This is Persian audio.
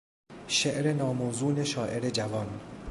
شعر ناموزون شاعر جوان